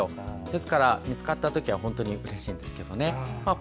ですから、見つかった時は本当にうれしいんですけどね。